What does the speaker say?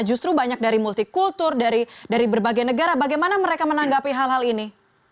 justru banyak dari multikultur dari berbagai negara bagaimana mereka menanggapi hal hal ini